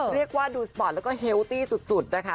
เรียกว่าดูสปอร์ตแล้วก็เฮลตี้สุดนะคะ